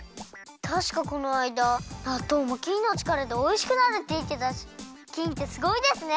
たしかこのあいだなっとうもきんのちからでおいしくなるっていってたしきんってすごいですね！